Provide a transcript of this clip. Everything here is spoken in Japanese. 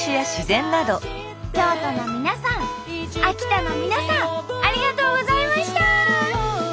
秋田の皆さんありがとうございました！